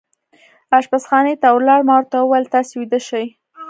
اشپزخانې ته ولاړ، ما ورته وویل: تاسې ویده شئ.